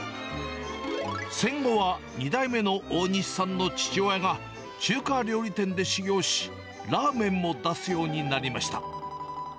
戦後は２代目の大西さんの父親が中華料理店で修業し、ラーメンも出すようになりました。